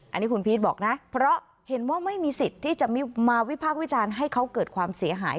อันนี้คุณพีชบอกนะเพราะเห็นว่าไม่มีสิทธิ์ที่จะมาวิพากษ์วิจารณ์ให้เขาเกิดความเสียหาย